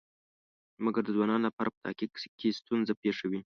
مګر د ځوانانو لپاره په تحقیق کې ستونزه پېښوي.